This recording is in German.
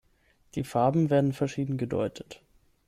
Die Farben werden verschieden gedeutet.